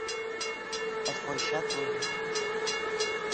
E foi xa todo.